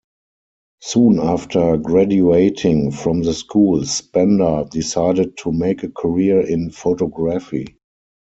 Soon after graduating from the school Spender decided to make a career in photography.